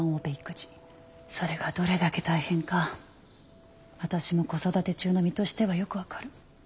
それがどれだけ大変か私も子育て中の身としてはよく分かる。